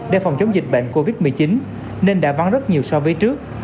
để phòng chống dịch bệnh covid một mươi chín nên đã vắng rất nhiều so với trước